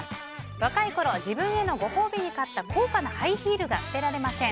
若いころ自分へのご褒美に買った高価なハイヒールが捨てられません。